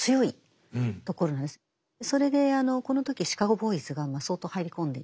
それでこの時シカゴ・ボーイズが相当入り込んでいた。